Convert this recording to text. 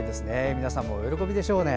皆さんもお喜びでしょうね。